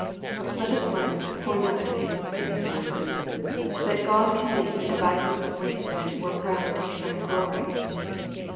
Let us learn, for another thing, from these verses, ikat Ood can make the devices of wicked men work round to His oivn glory.